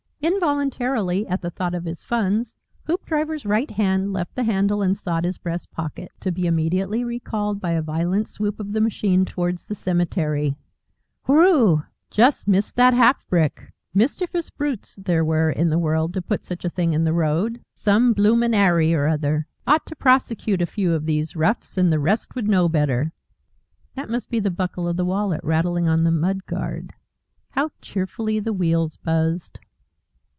Involuntarily at the thought of his funds Hoopdriver's right hand left the handle and sought his breast pocket, to be immediately recalled by a violent swoop of the machine towards the cemetery. Whirroo! Just missed that half brick! Mischievous brutes there were in the world to put such a thing in the road. Some blooming 'Arry or other! Ought to prosecute a few of these roughs, and the rest would know better. That must be the buckle of the wallet was rattling on the mud guard. How cheerfully the wheels buzzed!